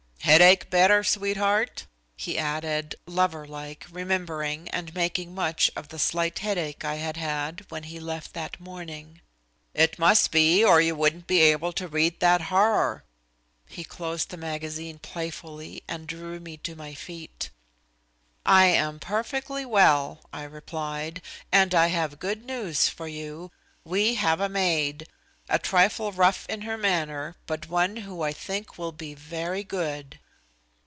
"Headache better, sweetheart?" he added, lover like remembering and making much of the slight headache I had had when he left that morning. "It must be, or you wouldn't be able to read that horror." He closed the magazine playfully and drew me to my feet. "I am perfectly well," I replied, "and I have good news for you. We have a maid, a trifle rough in her manner, but one who I think will be very good."